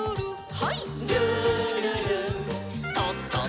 はい。